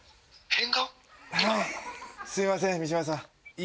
すみません三島さん。